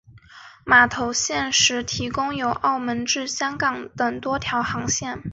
码头现时提供由澳门至香港等多条航线。